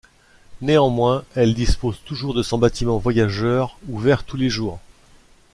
Néanmoins elle dispose toujours de son bâtiment voyageurs ouvert tous les jours.